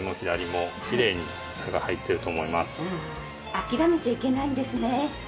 諦めちゃいけないんですね。